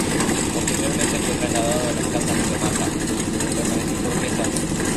Posteriormente fue trasladado a las Casas de Lo Matta, donde permaneció por diez años.